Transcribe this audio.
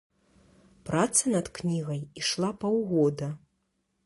Праца над кнігай ішла паўгода.